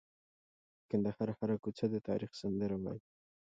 د کندهار هره کوڅه د تاریخ سندره وایي.